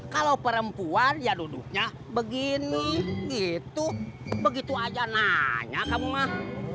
kalau perempuan ya duduknya begini gitu begitu aja nanya kamu mah